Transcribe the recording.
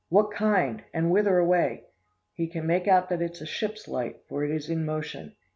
What kind? and whither away? He can make out that it is a ship's light, for it is in motion.